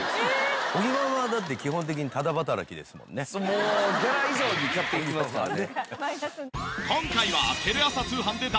もうギャラ以上に買っていきますからね。